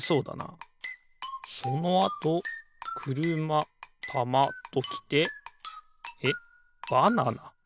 そのあとくるまたまときてえっバナナ？